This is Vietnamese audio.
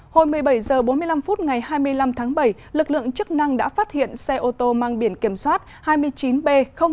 hồi một mươi bảy h bốn mươi năm phút ngày hai mươi năm tháng bảy lực lượng chức năng đã phát hiện xe ô tô mang biển kiểm soát hai mươi chín b một nghìn chín trăm bảy mươi